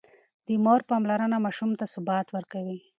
د مور پاملرنه ماشوم ته ثبات ورکوي.